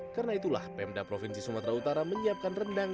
karena itulah pemda provinsi sumatera utara menyiapkan rendang